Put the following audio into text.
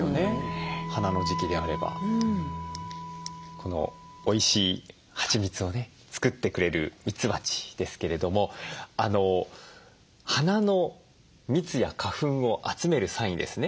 このおいしいはちみつをね作ってくれるミツバチですけれども花の蜜や花粉を集める際にですね